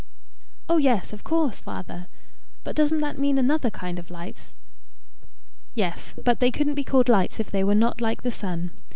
"Oh yes, of course, father. But doesn't that mean another kind of lights?" "Yes. But they couldn't be called lights if they were not like the sun.